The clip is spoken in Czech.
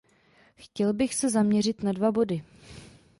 Chtěl bych se zaměřit na dva body.